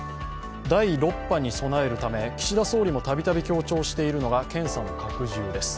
第６波に備えるため、岸田総理も度々強調しているのが検査の拡充です。